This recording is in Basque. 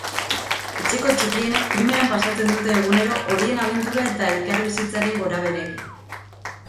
Etxeko txikienek primeran pasatzen dute egunero horien abentura eta elkarbizitzaren gorabeherekin.